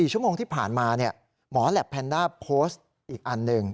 ๔ชั่วโมงที่ผ่านมาหมอแหลปแพนด้าโพสต์อีกอันหนึ่ง